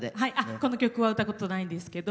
この曲は歌ったことないですけど。